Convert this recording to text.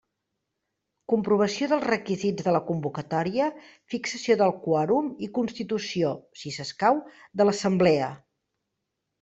Comprovació dels requisits de la convocatòria, fixació del quòrum i constitució, si escau, de l'assemblea.